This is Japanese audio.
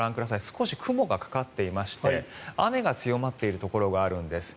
少し雲がかかっていまして雨が強まっているところがあるんです。